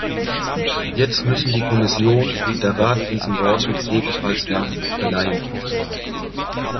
Jetzt müssen die Kommission und der Rat diesen Worten ebenfalls Nachdruck verleihen.